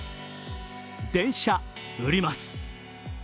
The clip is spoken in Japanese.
電車売ります。